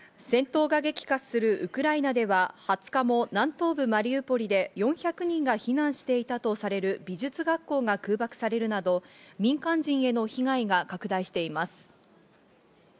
戦闘が激化するウクライナでは２０日も南東部・マリウポリで４００人が避難していたとされる美術学校が空爆されるなど、民間人への被害が拡大しています。